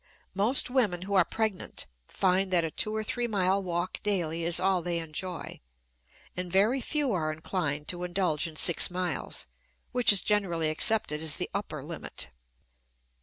Most women who are pregnant find that a two or three mile walk daily is all they enjoy, and very few are inclined to indulge in six miles, which is generally accepted as the upper limit.